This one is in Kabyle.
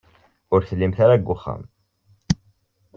Ur tellimt ara deg uxxam.